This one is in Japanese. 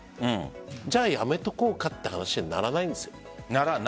じゃあ、やめておこうかという話にならないんです。